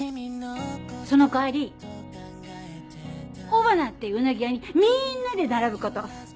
その代わり尾花ってうなぎ屋にみんなで並ぶこと！